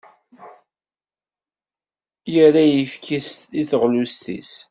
Yerra ayefki i teɣlust-is.